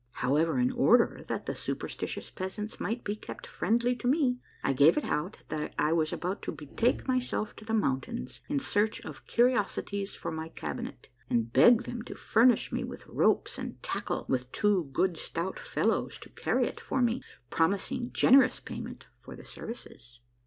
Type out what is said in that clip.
However, in order that the superstitious peasants might be kept friendly to me, I gave it out that I was about to betake myself to the mountains in search of curiosities for my cabinet, and begged them to furnish me with ropes and tackle, with two good stout fellows to carry it for me, promising gen erous payment for the services.